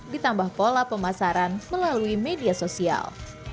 ditambah pola pemasaran melalui media sosial